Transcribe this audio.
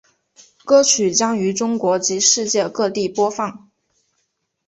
歌曲将于中国及世界各地播放。